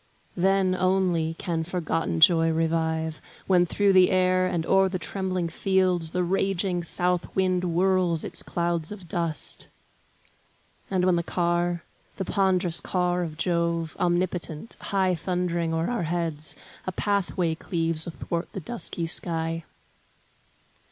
Then, only, can forgotten joy revive, When through the air, and o'er the trembling fields The raging south wind whirls its clouds of dust; And when the car, the pondrous car of Jove, Omnipotent, high thundering o'er our heads, A pathway cleaves athwart the dusky sky.